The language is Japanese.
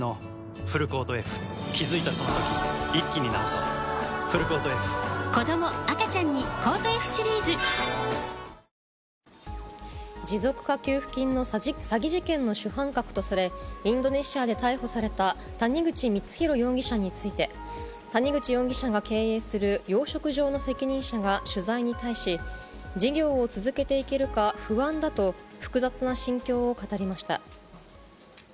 さらにゼレンスキー大統領はロシアによる海上封鎖で、持続化給付金の詐欺事件の主犯格とされ、インドネシアで逮捕された谷口光弘容疑者について、谷口容疑者が経営する養殖場の責任者が取材に対し、事業を続けていけるか不安だと、複雑な心境を語りました。